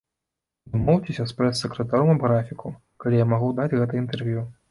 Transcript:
Дамоўцеся з прэс-сакратаром аб графіку, калі я магу даць гэта інтэрв'ю.